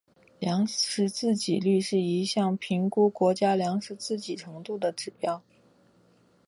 粮食自给率是一项评估国家粮食自给程度的指标。